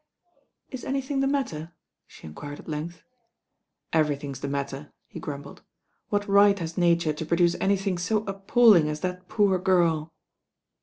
"Is anything the matter?" she enquired at length. "Everything's the matter," he grumbled. "What right has Nature to produce anything so appalling as that poor girl?"